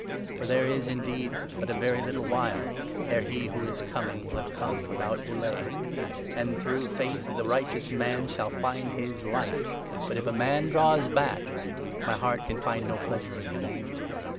' For there is indeed but a very little while 37 Ere He who is Coming will have come, without delay ; And through faith the Righteous man shall find his Life, 38 But, if a man draws back, my heart can find no pleasure in him.'